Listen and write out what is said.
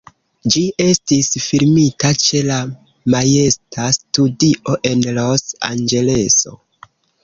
Ĝi estis filmita ĉe la Majesta Studio en Los-Anĝeleso.